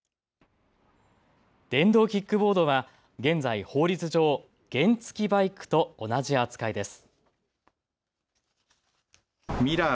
電動キックボードは現在法律上、原付きバイクと同じ扱いです。